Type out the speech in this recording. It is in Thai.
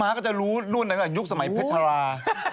พี่ม้าก็จะรู้รุ่นนั้นตั้งแต่ยุคสมัยเพชรภารา